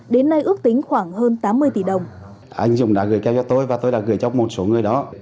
đến nay ước tính khoảng hơn tám mươi tỷ đồng